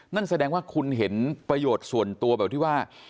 นั่นแสดงว่าคุณเห็นประโยชน์ส่วนตัวแบบที่ว่า